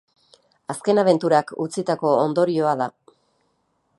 Azken abenturak utzitako ondorioa da.